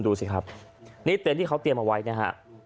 ดูสิครับนี่เต็นต์ที่เขาเตรียมเอาไว้นะฮะ